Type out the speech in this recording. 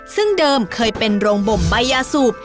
ซึ่งเดิมเคยเป็นโรงบ่มใบยาสูบ